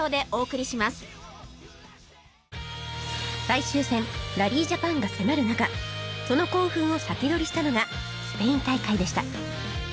最終戦ラリージャパンが迫る中その興奮を先取りしたのがスペイン大会でした